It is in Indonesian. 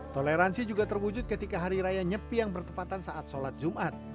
toleransi juga terwujud ketika hari raya nyepi yang bertepatan saat sholat zumat